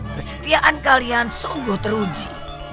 kesetiaan kalian sungguh teruji